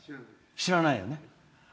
知らないよね。